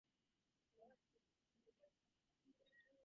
Foreigners could be accepted by special permission.